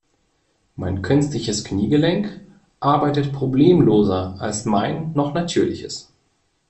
Mein künstliches Kniegelenk arbeitet problemloser als mein noch natürliches.